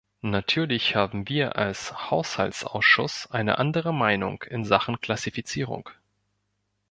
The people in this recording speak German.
Natürlich haben wir als Haushaltsausschuss eine andere Meinung in Sachen Klassifizierung.